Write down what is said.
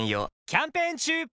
キャンペーン中！